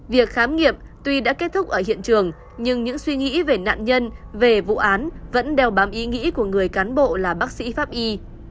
việc khám nghiệm tuy đã kết thúc ở hiện trường nhưng những suy nghĩ về nạn nhân về vụ án vẫn đeo bám ý nghĩ của người cán bộ là bác sĩ pháp y